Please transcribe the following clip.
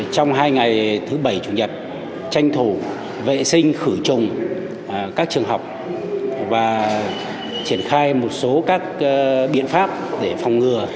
trong hai ngày thứ bảy chủ nhật tranh thủ vệ sinh khử trùng các trường học và triển khai một số các biện pháp để phòng ngừa